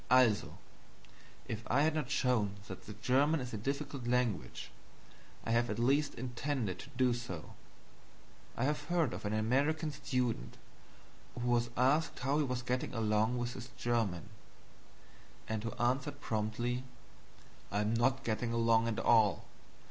"ALSO!" If I had not shown that the German is a difficult language, I have at least intended to do so. I have heard of an American student who was asked how he was getting along with his German, and who answered promptly: "I am not getting along at all.